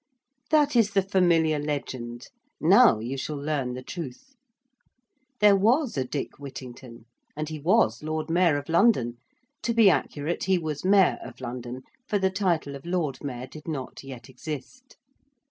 That is the familiar legend. Now you shall learn the truth. There was a Dick Whittington: and he was Lord Mayor of London to be accurate, he was Mayor of London, for the title of Lord Mayor did not yet exist.